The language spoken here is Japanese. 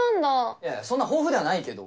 いやいやそんな豊富ではないけど。